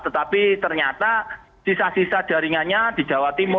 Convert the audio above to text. tetapi ternyata sisa sisa jaringannya tidak berhasil